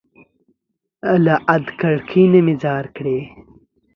له ادکړکۍ نه مي ځار کړى